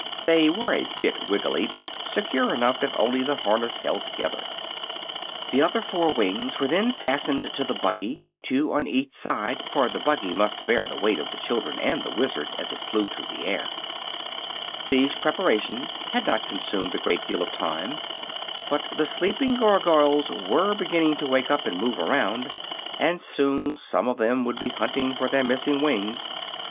They were a bit wiggley, but secure enough if only the harness held together. The other four wings were then fastened to the buggy, two on each side, for the buggy must bear the weight of the children and the Wizard as it flew through the air. [Illustration: JIM FLUTTERED AND FLOUNDERED THROUGH THE AIR.] These preparations had not consumed a great deal of time, but the sleeping Gargoyles were beginning to wake up and move around, and soon some of them would be hunting for their missing wings.